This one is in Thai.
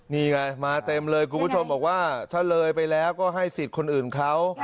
นี่ไงมาเต็มเลยคุณผู้ชมบอกว่าถ้าเลยไปแล้วก็ให้สิทธิ์คนอื่นเขา